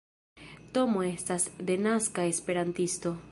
Tomo estas denaska Esperantisto.